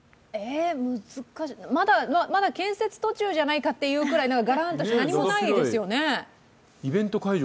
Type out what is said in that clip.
難しいまだ建設途中じゃないかってぐらいガランとして何もないですよね？